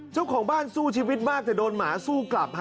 เจ้าของบ้านสู้ชีวิตมากแต่โดนหมาสู้กลับ